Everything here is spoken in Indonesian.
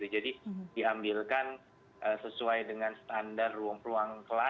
jadi diambilkan sesuai dengan standar ruang ruang kelas